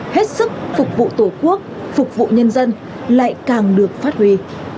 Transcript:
hết sức phục vụ tổ quốc phục vụ nhân dân lại càng được phát huy